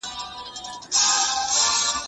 بس دوغنده وي پوه چي په احساس اړوي سـترګـي